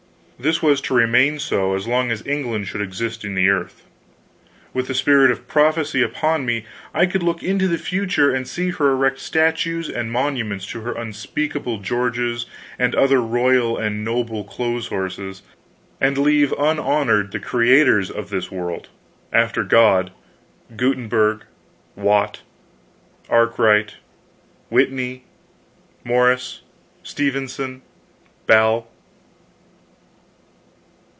This was to remain so, as long as England should exist in the earth. With the spirit of prophecy upon me, I could look into the future and see her erect statues and monuments to her unspeakable Georges and other royal and noble clothes horses, and leave unhonored the creators of this world after God Gutenburg, Watt, Arkwright, Whitney, Morse, Stephenson, Bell.